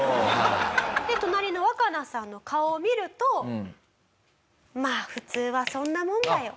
で隣のワカナさんの顔を見ると「まあ普通はそんなもんだよ」。